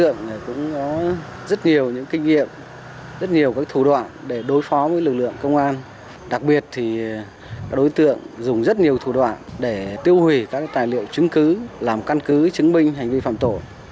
nhiều thủ đoạn để tiêu hủy các tài liệu chứng cứ làm căn cứ chứng minh hành vi phạm tổ